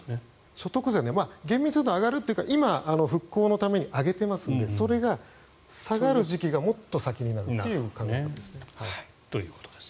所得税、厳密にいうと上がるというか今、復興のために上げてますのでそれが下がる時期がもっと先になるっていう感じですね。ということです。